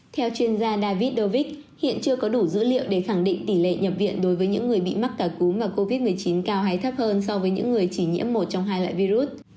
theo chuyên gia david dovic hiện chưa có đủ dữ liệu để khẳng định tỷ lệ nhập viện đối với những người bị mắc cả cúm và covid một mươi chín cao hay thấp hơn so với những người chỉ nhiễm một trong hai loại virus